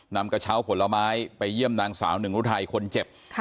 นำกระเช้าผลไม้ไปเยี่ยมนางสาวหนึ่งรุทัยคนเจ็บ